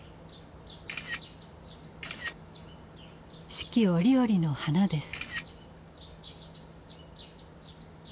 四季折々の花です。